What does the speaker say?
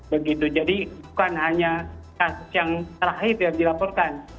begitu jadi bukan hanya kasus yang terakhir yang dilaporkan